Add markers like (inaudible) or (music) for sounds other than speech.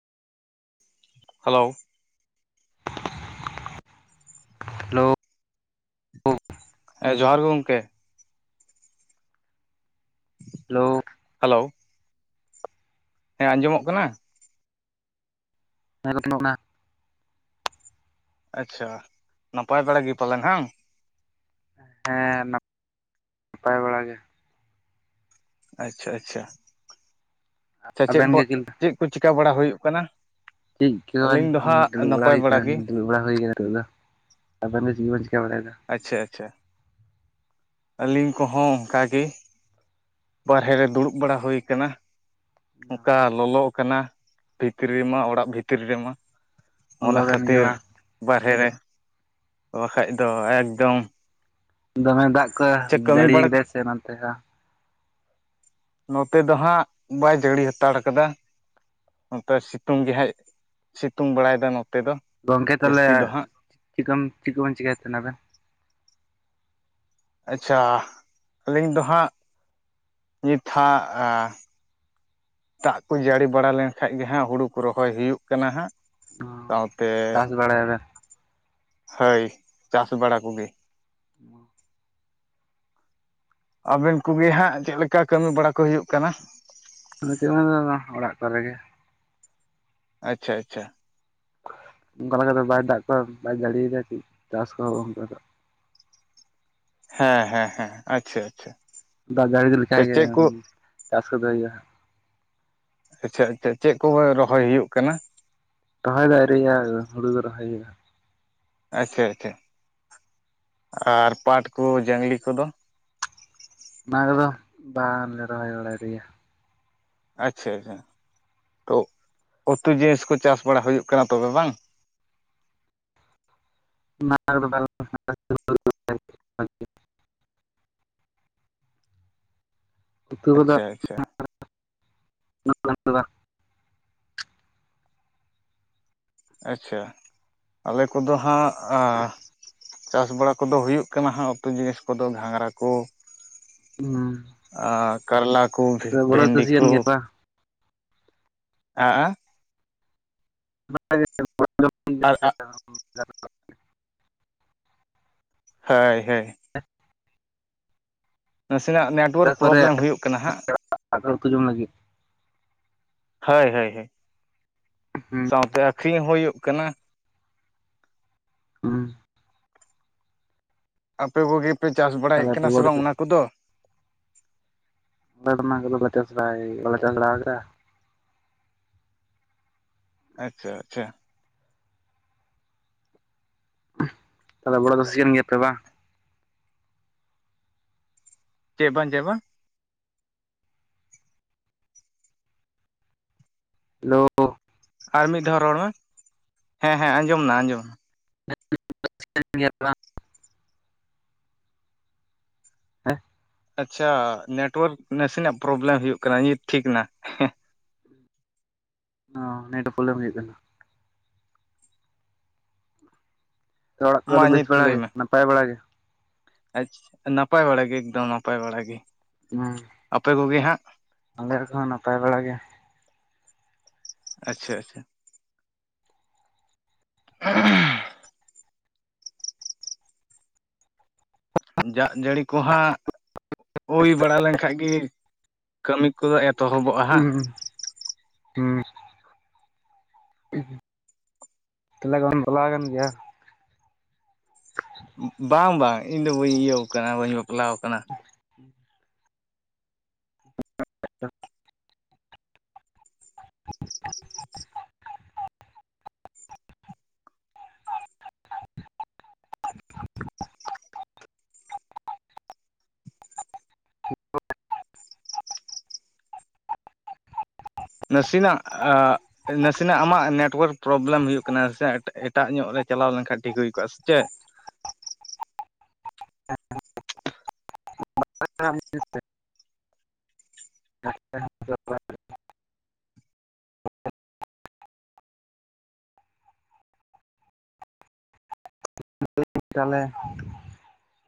Hello hello (unintelligible) ᱮ ᱡᱚᱦᱟᱨ ᱜᱮ ᱜᱚᱝᱠᱮ ᱾ ᱦᱮᱹᱞᱳ ᱦᱮᱞᱳ ᱦᱮᱸ ᱟᱸᱡᱚᱢᱚᱜ ᱠᱟᱱᱟ (unintelligible) ᱟᱪᱪᱷᱟ ᱱᱟᱯᱟᱭ ᱵᱮᱲᱟ ᱜᱮ ᱯᱟᱞᱮᱱ ᱦᱟᱝ ᱦᱮᱸ ᱱᱟᱯ ᱯᱟᱭ ᱵᱟᱲᱟ ᱜᱮᱼᱼ ᱟᱪᱪᱷᱟ ᱟᱪᱪᱷᱟ ᱟᱪᱪᱷᱟ ᱪᱮᱫ ᱟᱵᱮᱱ ᱜᱮ ᱵᱚᱜ ᱞᱮᱠᱟ? ᱪᱮᱫ ᱠᱚ ᱪᱤᱠᱟᱹ ᱵᱟᱲᱟ ᱦᱩᱭᱩᱜ ᱠᱟᱱᱟ ᱪᱮᱫ ᱪᱤᱠᱟᱹ ᱟᱹᱞᱤᱧ ᱫᱚ ᱦᱚᱸᱜ-ᱚᱭ ᱦᱟᱸᱜ ᱫᱩᱲᱩᱵ ᱵᱟᱲᱟ ᱱᱟᱯᱟᱭ ᱦᱩᱭ ᱠᱟᱱᱟ ᱜᱮ ᱫᱩᱲᱩᱵ ᱵᱟᱲᱟ ᱦᱩᱭ ᱟᱠᱟᱱᱟ ᱱᱤᱛᱚᱜ ᱫᱚᱼᱼ ᱟᱵᱮᱱ ᱫᱚ ᱪᱮᱫ ᱵᱮᱱ ᱪᱤᱠᱟ ᱵᱟᱲᱟᱭ ᱮᱫᱟ ᱟᱫᱚ ᱟᱪᱪᱷᱟ ᱟᱪᱪᱷᱟ ᱟᱹᱞᱤᱧ ᱠᱚ ᱦᱚᱸ ᱚᱱᱠᱟ ᱜᱮ ᱵᱟᱨᱦᱮ ᱨᱮ ᱫᱩᱲᱩᱵ ᱵᱟᱲᱟ ᱦᱩᱭ ᱟᱠᱟᱱᱟ ᱚᱱᱠᱟ ᱞᱚᱞᱚ ᱠᱟᱱᱟ ᱵᱷᱤᱛᱨᱤ ᱨᱮᱢᱟ ᱚᱲᱟᱜ ᱵᱷᱤᱛᱨᱤ ᱨᱮᱢᱟ ᱞᱚ ᱚᱱᱟ ᱠᱟᱱ ᱜᱮᱭᱟ ᱠᱷᱟᱹᱛᱤᱨ ᱵᱟᱝ ᱵᱟᱨᱦᱮ ᱨᱮ ᱵᱟᱠᱷᱟᱡ ᱫᱚ ᱮᱠᱫᱚᱢ ᱫᱚᱢᱮ ᱫᱟᱜ ᱠᱚ ᱪᱮᱫ ᱠᱟᱹᱢᱤ ᱡᱟᱹᱲᱤᱭ ᱵᱟᱲᱟ ᱠᱮᱫᱟᱭ ᱥᱮ ᱚᱱᱟ ᱛᱮ ᱵᱟᱝ ᱱᱚᱛᱮ ᱫᱚ ᱦᱟᱸᱜ ᱵᱟᱭ ᱡᱟᱹᱲᱤ ᱦᱟᱛᱟᱲ ᱠᱟᱫᱟ ᱱᱚᱛᱮ ᱥᱤᱛᱩᱝ ᱜᱮ ᱦᱟᱸᱜ ᱥᱤᱛᱩᱝ ᱵᱟᱲᱟᱭ ᱮᱫᱟ ᱱᱚᱛᱮ ᱫᱚᱼᱼ ᱜᱚᱢᱠᱮ ᱛᱟᱦᱚᱞᱮ ᱪᱮᱫᱠᱚᱢ ᱪᱮᱫ ᱠᱚᱵᱮᱱ ᱪᱤᱠᱟᱭ ᱛᱟᱦᱮᱱᱟ ᱟᱵᱮᱱ ᱟᱪᱪᱷᱟ ᱟᱹᱞᱤᱧ ᱫᱚ ᱦᱟᱸᱜ ᱱᱤᱛ ᱦᱟᱸᱜᱼᱟ ᱫᱟᱜ ᱠᱚ ᱡᱟᱹᱲᱤ ᱵᱟᱲᱟ ᱞᱮᱱ ᱠᱷᱟᱡ ᱜᱮ ᱦᱟᱸᱜ ᱦᱩᱲᱩ ᱠᱚ ᱨᱚᱦᱚᱭ ᱦᱩᱭᱩᱜ ᱠᱟᱱᱟ ᱦᱟᱸᱜ ᱥᱟᱶ ᱛᱮᱼᱼ ᱵᱟᱲᱟᱭ ᱮᱫᱟ ᱦᱳᱭ ᱪᱟᱥ ᱵᱟᱲᱟ ᱠᱚᱜᱮ (inaudible) ᱟᱵᱮᱱ ᱠᱚᱜᱮ ᱦᱟᱸᱜ ᱪᱮᱫ ᱞᱮᱠᱟ ᱠᱟᱹᱢᱤ ᱵᱟᱲᱟ ᱠᱚ ᱦᱩᱭᱩᱜ ᱠᱟᱱᱟ ᱱᱤᱛᱚᱜ (unintelligible) ᱚᱲᱟᱜ ᱠᱚᱨᱮ ᱜᱮ ᱟᱪᱪᱷᱟ ᱟᱪᱪᱷᱟ ᱚᱱᱠᱟ ᱞᱮᱠᱟ ᱫᱚ ᱵᱟᱭ ᱫᱟᱜ ᱠᱚᱣᱟ ᱵᱟᱭ ᱡᱟᱹᱲᱤᱭᱫᱟ ᱪᱮᱫ ᱪᱟᱥ ᱠᱚᱦᱚᱸ (unintelligible) ᱦᱮᱸ ᱦᱮᱸ ᱦᱮᱸ ᱟᱪᱪᱷᱟ ᱟᱪᱪᱷᱟ ᱫᱟᱜ ᱡᱟᱹᱲᱤ ᱞᱮᱠᱷᱟ ᱜᱮ ᱪᱮᱫ ᱠᱚ ᱪᱟᱥ ᱠᱚᱫᱚ ᱦᱩᱭᱩᱜᱼᱟ ᱟᱪᱪᱷᱟ ᱟᱪᱪᱷᱟ ᱪᱮᱫ ᱠᱚ ᱨᱚᱦᱚᱭ ᱦᱩᱭᱩᱜ ᱠᱟᱱᱟ ᱨᱚᱦᱚᱭ ᱫᱚ ᱟᱣᱨᱤᱭᱟᱜ-ᱟ ᱦᱩᱲᱩ ᱜᱮ ᱨᱚᱦᱚᱭ ᱦᱩᱭᱩᱜ-ᱟ ᱟᱪᱪᱷᱟ ᱟᱪᱪᱷᱟ ᱟᱨ ᱯᱟᱴᱽ ᱠᱚ ᱡᱟᱝᱞᱤ ᱠᱚᱫᱚᱼᱼ ᱚᱱᱟ ᱠᱚᱫᱚ ᱵᱟᱝᱞᱮ ᱨᱚᱦᱚᱭ ᱵᱟᱲᱟᱭ (unintelligible) ᱜᱮᱭᱟ ᱟᱪᱪᱷᱟ ᱟᱪᱪᱷᱟ ᱛᱚ ᱩᱛᱩ ᱡᱤᱱᱤᱥ ᱠᱚ ᱪᱟᱥ ᱵᱟᱲᱟ ᱦᱩᱭᱩᱜ ᱠᱟᱱᱟ ᱛᱚᱵᱮ ᱵᱟᱝ (unintelligible) ᱩᱛᱩ ᱠᱚᱫᱚ ᱟᱪᱪᱷᱟ ᱵᱟᱝ ᱟᱪᱪᱷᱟ ᱟᱪᱪᱷᱟ ᱟᱞᱮ ᱠᱚᱫᱚ ᱦᱟᱸᱜᱼᱟ ᱪᱟᱥ ᱵᱟᱲᱟ ᱠᱚᱫᱚ ᱦᱩᱭᱩᱜ ᱠᱟᱱᱟ ᱦᱟᱸᱜ ᱩᱛᱩ ᱡᱤᱱᱤᱥ ᱠᱚᱫᱚ ᱜᱷᱟᱸᱜᱨᱟ ᱠᱚ ᱦᱩᱸ ᱟᱨ ᱠᱟᱨᱞᱟ ᱠᱚ ᱵᱚᱲᱚ ᱵᱷᱮᱱᱰᱤ ᱪᱟᱹᱥᱤ ᱠᱚ ᱠᱟᱱ ᱜᱮᱭᱟ ᱦᱮᱸ ᱟᱨ (unintelligible) ᱦᱳᱭ ᱦᱳᱭ (unintelligible) ᱱᱟᱥᱮᱱᱟᱜ ᱱᱮᱴ ᱚᱠᱟ ᱠᱚᱨᱮ ᱟᱫᱚ (inaudible) ᱩᱛᱩ ᱡᱚᱢ ᱞᱟᱹᱜᱤᱫᱼᱼ ᱦᱳᱭ ᱦᱳᱭ ᱦᱳᱭ ᱦᱩᱸ ᱥᱟᱶ ᱛᱮ ᱟᱠᱷᱨᱤᱧ ᱦᱚᱸ ᱦᱩᱭᱩᱜ ᱠᱟᱱᱟ ᱦᱩᱸ ᱟᱯᱮ ᱠᱚᱜᱮ ᱯᱮ ᱪᱟᱥ ᱵᱟᱲᱟᱭᱮᱫ ᱛᱟᱦᱞᱮ ᱟᱯᱮ ᱠᱟᱱᱟ ᱥᱮ ᱵᱚᱲᱚ ᱵᱟᱝ ᱪᱟᱹᱥᱤ ᱚᱱᱟ ᱠᱚᱫᱚᱼᱼ ᱟᱞᱮ ᱫᱚ ᱚᱱᱟ ᱠᱚᱫᱚ ᱞᱮ ᱪᱟᱥ ᱵᱟᱲᱟᱭ ᱵᱟᱞᱮ ᱪᱟᱥ ᱵᱟᱲᱟᱣ ᱠᱟᱫᱟ᱾ ᱟᱪᱪᱷᱟ ᱟᱪᱪᱷᱟ᱾ ᱛᱟᱦᱞᱮ ᱵᱚᱲᱚ ᱪᱟᱹᱥᱤ ᱠᱟᱱ ᱜᱮᱭᱟᱯᱮ ᱵᱟᱝ? ᱪᱮᱜ ᱵᱟᱝ ᱪᱮᱜ ᱵᱟᱝ? ᱦᱮᱞᱳ᱾ ᱟᱨ ᱢᱤᱫ ᱫᱷᱟᱣ ᱨᱚᱲ ᱢᱮ, ᱦᱮᱸ ᱦᱮᱸ ᱟᱸᱡᱚᱢ ᱱᱟ ᱟᱸᱡᱚᱢ ᱱᱟ᱾ (unintelligible) ᱠᱟᱱ ᱜᱮᱭᱟᱯᱮ ᱵᱟᱝ? ᱦᱮᱸ ᱟᱪᱪᱷᱟ ᱱᱮᱴᱣᱟᱨᱠ ᱱᱟᱥᱤᱱᱟᱜ ᱯᱨᱚᱵᱽᱞᱮᱢ ᱦᱩᱭᱩᱜ ᱠᱟᱱᱟ, ᱱᱤᱛ ᱴᱷᱤᱠ ᱮᱱᱟ᱾ ᱚᱸ ᱱᱮᱴ ᱯᱨᱚᱵᱽᱞᱮᱢ ᱦᱩᱭᱩᱜ ᱠᱟᱱᱟ᱾ ᱚᱲᱟᱜ ᱠᱚᱨᱮ ᱢᱟ ᱫᱚ ᱵᱮᱥ ᱱᱤᱛ ᱵᱟᱲᱟ ᱞᱟᱹᱭ ᱜᱮ ᱢᱮ ᱱᱟᱯᱟᱭ ᱵᱟᱲᱟ ᱜᱮ? ᱟᱪᱪᱷᱟ ᱱᱟᱯᱟᱭ ᱵᱟᱲᱟ ᱜᱮ ᱮᱠᱫᱚᱢ ᱱᱟᱯᱟᱭ ᱵᱟᱲᱟ ᱜᱮ᱾ ᱚᱱᱟ ᱟᱯᱮ ᱠᱚᱜᱮ ᱦᱟᱸᱜ? ᱟᱞᱮ ᱨᱮᱱ ᱠᱚᱦᱚᱸ ᱱᱟᱯᱟᱭ ᱵᱟᱲᱟ ᱜᱮ᱾ ᱟᱪᱪᱷᱟ ᱟᱪᱪᱷᱟ᱾ (inaudible) ᱡᱟᱜ ᱡᱟᱹᱲᱤ ᱠᱚ ᱦᱟᱸᱜ ᱦᱳᱭ ᱵᱟᱲᱟ ᱞᱮᱱᱠᱷᱟᱡ ᱜᱤ ᱠᱟᱹᱢᱤ ᱠᱚᱫᱚ ᱮᱛᱚᱦᱚᱵᱚᱜᱼᱟ ᱦᱟᱸᱜ᱾ ᱦᱩᱸ ᱦᱩᱸ ᱛᱟᱦᱞᱮ ᱵᱟᱢ ᱪᱟᱞᱟᱣ ᱠᱟᱱ ᱜᱮᱭᱟ ᱾ ᱵᱟᱝ ᱵᱟᱝ ᱤᱧ ᱫᱚ ᱵᱟᱹᱧ ᱤᱭᱟᱹᱣ ᱠᱟᱱᱟ, ᱵᱟᱹᱧ ᱵᱟᱯᱞᱟᱣ ᱠᱟᱱᱟ᱾ (inaudible) (inaudible) (inaudible) (unintelligible) ᱱᱟᱥᱤᱱᱟᱜ ᱟ ᱱᱟᱥᱤᱱᱟᱜ ᱟᱢᱟᱜ ᱱᱮᱴᱳᱣᱟᱨᱠ ᱯᱨᱚᱵᱽᱞᱮᱢ ᱦᱩᱭᱩᱜ ᱠᱟᱱᱟ ᱥᱮ, ᱮᱴᱟᱜ ᱧᱚᱜ ᱨᱮ ᱪᱟᱞᱟᱣ ᱞᱮᱱᱠᱷᱟᱡ ᱴᱷᱤᱠ ᱦᱩᱭ ᱠᱚᱜᱼᱟ ᱥᱮ ᱪᱮᱫ᱾ (unintelligible) (unintelligible) (unintelligible) ᱛᱟᱞᱦᱮ ᱼᱼ